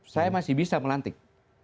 saya masih bisa melantik